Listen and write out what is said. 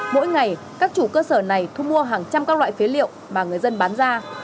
mỗi ngày các chủ cơ sở này thu mua hàng trăm các loại phế liệu mà người dân bán ra